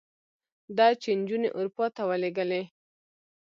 ده چې نجونې اروپا ته ولېږلې.